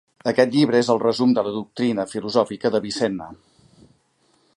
Aquest llibre és el resum de la doctrina filosòfica d'Avicenna.